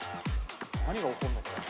何が起こるの？